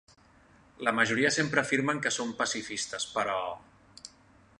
La majoria sempre afirmen que són pacifistes, PERÒ...